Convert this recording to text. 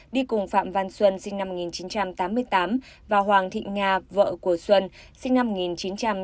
phùng phạm văn xuân sinh năm một nghìn chín trăm tám mươi tám và hoàng thị nga vợ của xuân sinh năm một nghìn chín trăm chín mươi bốn